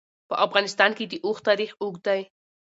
په افغانستان کې د اوښ تاریخ اوږد دی.